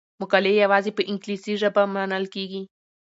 مقالې یوازې په انګلیسي ژبه منل کیږي.